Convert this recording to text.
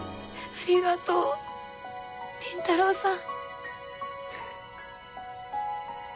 ありがとう倫太郎さん。